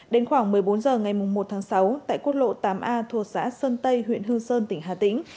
đến khoảng một mươi bốn h ngày một tháng sáu tại quốc lộ tám a thuộc xã sơn tây huyện hương sơn tỉnh hà tĩnh